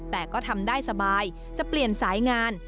แต่ก็ทำได้สบายจะเปลี่ยนสายงาน